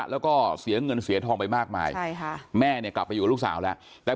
แล้วก็เสียเงินเสียทองไปมากมายใช่ค่ะแม่เนี่ยกลับไปอยู่กับลูกสาวแล้วแต่